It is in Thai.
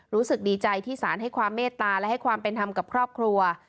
รู้สึกดีใจที่สารให้ความเมตตาและให้ความเป็นธรรมกับครอบครัว